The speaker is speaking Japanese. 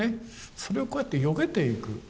それをこうやってよけていく。